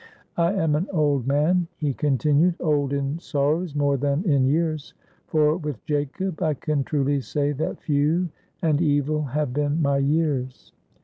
"I am an old man," he continued, "old in sorrows more than in years; for, with Jacob, I can truly say that 'few and evil have been my years.'